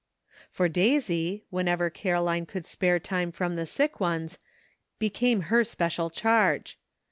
For Daisy, whenever Caro line could spare time from the sick ones, became her special charge.